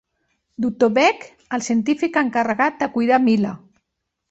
Doctor Beck: el científic encarregat de cuidar Mila.